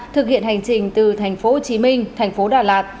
thực hiện hành trình từ tp hcm tp đà lạt